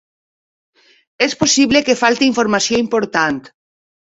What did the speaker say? És possible que falti informació important.